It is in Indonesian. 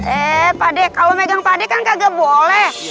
eh pade kalau megang pade kan kagak boleh